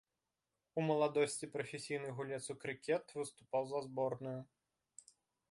У маладосці прафесійны гулец у крыкет, выступаў за зборную.